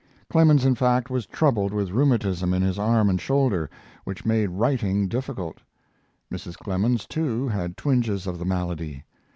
Clemens, in fact, was troubled with rheumatism in his arm and shoulder, which made writing difficult. Mrs. Clemens, too, had twinges of the malady.